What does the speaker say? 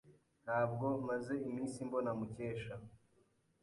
Ntabwo maze iminsi mbona Mukesha.